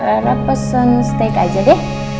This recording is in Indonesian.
karena pesen steak aja deh